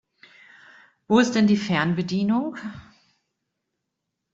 Wo ist denn die Fernbedienung?